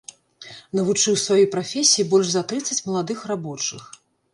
Навучыў сваёй прафесіі больш за трыццаць маладых рабочых.